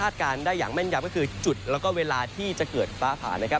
พิวัติการเรียกได้อย่างแม่งยั้มก็คือจุดและเวลาที่จะเกิดปาร์ปาร์